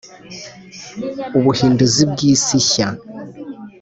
Ubuhinduzi bw’isi nshya